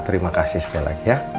terima kasih sekali lagi ya